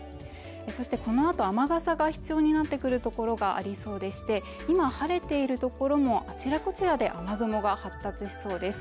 そしてこのあと雨傘が必要になってくる所がありそうでして、今、晴れている所も、あちらこちらで雨雲が発達しそうです。